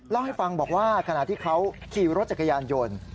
เล่าให้ฟังบอกว่าขณะที่เขาขี่รถจักรยานยนต์